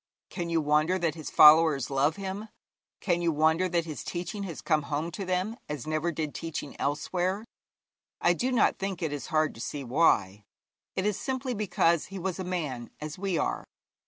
Can you wonder that his followers love him? Can you wonder that his teaching has come home to them as never did teaching elsewhere? I do not think it is hard to see why: it is simply because he was a man as we are.